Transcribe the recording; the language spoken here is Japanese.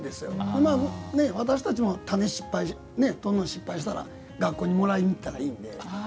今、私たちも種失敗したら学校にもらいに行ったらいいので。